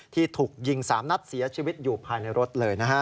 ที่ถูกยิง๓นัดเสียชีวิตอยู่ภายในรถเลยนะฮะ